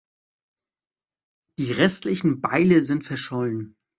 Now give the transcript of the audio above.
Die restlichen Beile sind verschollen.